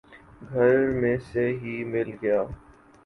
گھر میں سے ہی مل گیا